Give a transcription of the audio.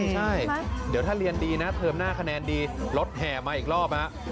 ใช่ถ้าเรียนดีนะเทิมหน้าคะแนนดีลดแห่มาอีกรอบ